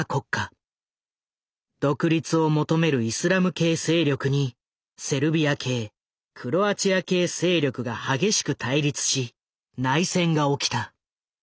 独立を求めるイスラム系勢力にセルビア系クロアチア系勢力が激しく対立し内戦が起きた。